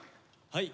はい。